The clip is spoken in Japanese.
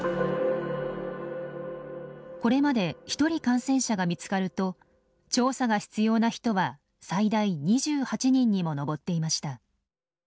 これまで１人感染者が見つかると調査が必要な人は最大２８人にも上っていました。